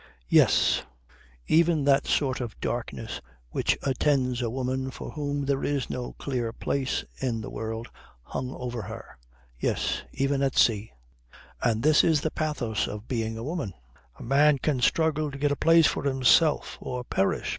Yes. Even that sort of darkness which attends a woman for whom there is no clear place in the world hung over her. Yes. Even at sea! And this is the pathos of being a woman. A man can struggle to get a place for himself or perish.